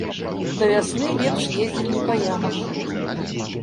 Да вясны лепш ездзіць не па ямах.